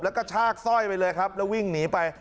แล้วก็ชากสร้อยไปเลยครับแล้ววิ่งหนีไป